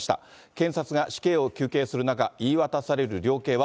検察が死刑を求刑する中、言い渡される量刑は？